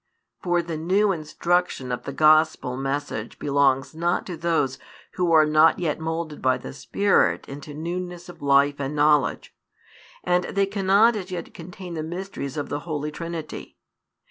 For the new instruction of the Gospel message belongs not to those who are not yet moulded by the Spirit into newness of life and knowledge, and they cannot as yet contain the mysteries of the Holy Trinity.